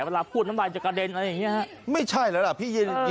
เวลาพูดน้ำลายจะกระเด็นอะไรอย่างนี้ฮะไม่ใช่แล้วล่ะพี่เย็น